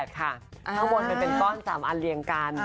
ข้างบนมันเป็นก้อน๓อันเรียงกัน